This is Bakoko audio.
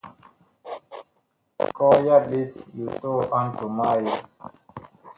Kɔɔ ya ɓet yu tɔɔ a ntom a Eee.